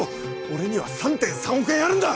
俺には３．３億円あるんだ！